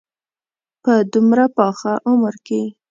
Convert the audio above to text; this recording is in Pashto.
په دومره پاخه عمر کې.